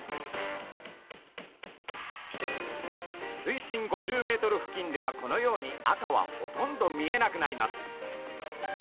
水深５０ｍ付近ではこのように赤はほとんど見えなくなります。